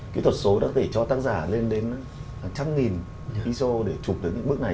kỹ thuật số đã gửi cho tác giả lên đến hàng trăm nghìn iso để chụp được những bước này